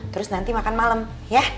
terus nanti makan malem yah